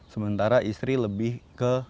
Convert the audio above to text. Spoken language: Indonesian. sementara istri lebih ke